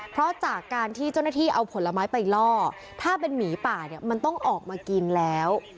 เพราะจากการที่เจ้าหน้าที่เอาผลไม้ไปล่อถ้าเป็นหมีป่าเนี่ยมันต้องออกมากินแล้ว